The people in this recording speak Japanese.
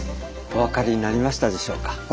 お分かりになりましたでしょうか？